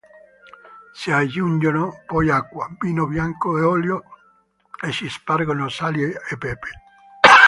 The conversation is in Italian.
Si aggiungono poi acqua, vino bianco e olio e si spargono sale e pepe.